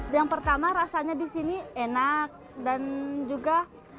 yang pertama rasanya di sini enak dan juga